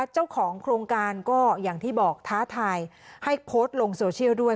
เจ้าของโครงการก็อย่างที่บอกท้าทายให้โพสต์ลงโซเชียลด้วย